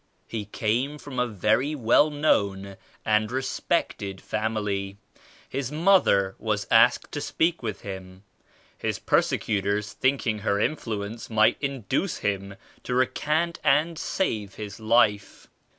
He came from a very well known and respected family. His mother was asked to speak with him, his persecutors thinking her influence might induce him to recant and save his life.